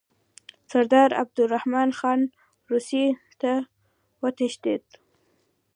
سردار عبدالرحمن خان روسیې ته وتښتېد.